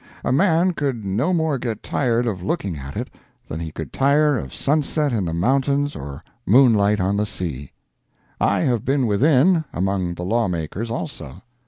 A man could no more get tired of looking at it than he could tire of sunset in the mountains or moonlight on the sea. I have been within, among the law makers, also.